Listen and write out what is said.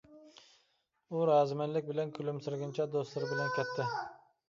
ئۇ رازىمەنلىك بىلەن كۈلۈمسىرىگىنىچە دوستلىرى بىلەن كەتتى.